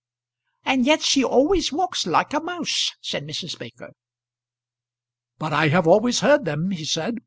"And yet she always walks like a mouse," said Mrs. Baker. "But I have always heard them," he said.